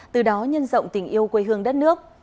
từ đó nhân rộng tình yêu quê hương đất nước